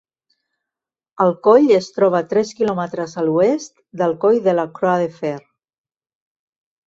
El coll es troba tres quilòmetres a l'oest del coll de la Croix-de-Fer.